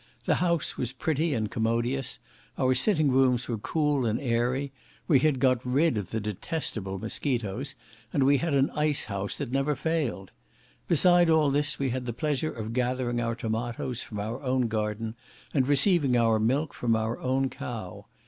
The house was pretty and commodious, our sitting rooms were cool and airy; we had got rid of the detestable mosquitoes, and we had an ice house that never failed. Beside all this, we had the pleasure of gathering our tomatoes from our own garden, and receiving our milk from our own cow.